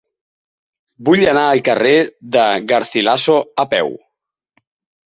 Vull anar al carrer de Garcilaso a peu.